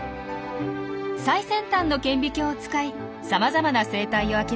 最先端の顕微鏡を使いさまざまな生態を明らかにしてきました。